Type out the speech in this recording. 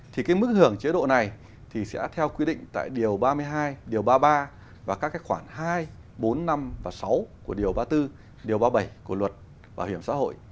thì mức hưởng chế độ này sẽ theo quy định tại điều ba mươi hai ba mươi ba và các khoản hai bốn năm và sáu của điều ba mươi bốn ba mươi bảy của luật bảo hiểm xã hội